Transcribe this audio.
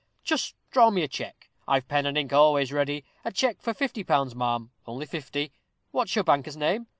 Just draw me a check; I've pen and ink always ready: a check for fifty pounds, ma'am only fifty. What's your banker's name?